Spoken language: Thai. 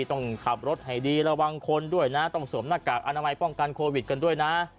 ต้องขับรถให้ดีระวังคนด้วยนะต้องสวมหน้ากากอนามัยป้องกันโควิดกันด้วยนะ